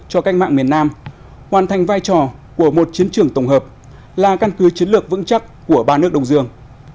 cho cách mạng miền nam hoàn thành vai trò của một chiến trường tổng hợp là căn cứ chiến lược vững chắc của ba nước đông dương